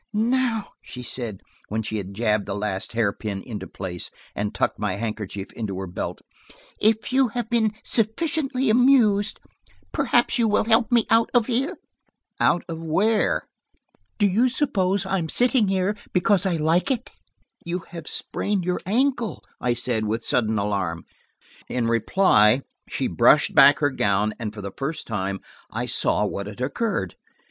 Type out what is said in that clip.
"Now," she said, when she had jabbed the last hair pin into place and tucked my handkerchief into her belt, "if you have been sufficiently amused, perhaps you will help me out of here." "Out of where?" "Do you suppose I'm sitting here because I like it?" "You have sprained your ankle," I said, with sudden alarm. In reply she brushed aside her gown, and for the first time I saw what had occurred.